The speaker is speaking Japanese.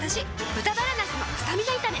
「豚バラなすのスタミナ炒め」